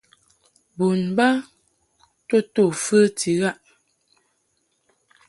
Bon ba to to fəti ghaʼ.